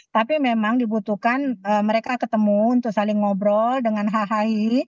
tapi memang dibutuhkan mereka ketemu untuk saling ngobrol dengan hy